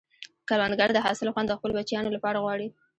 کروندګر د حاصل خوند د خپلو بچیانو لپاره غواړي